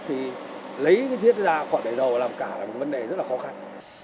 nhưng chi tiết ra khỏi bể dầu làm cả là một vấn đề rất là khó khăn